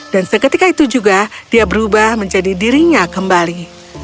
seketika itu juga dia berubah menjadi dirinya kembali